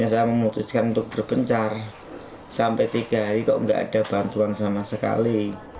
saya memutuskan untuk berpencar sampai tiga hari kok nggak ada bantuan sama sekali